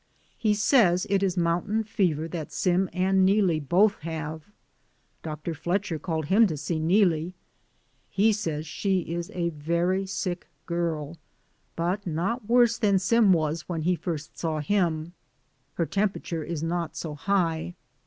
He says it is mountain fever that Sim and NeeHe both have. Dr. Fletcher called him to see Neelie ; he says she is a very sick girl, but not v^rorse than Sim was when he first saw him. Her temperature is not so high.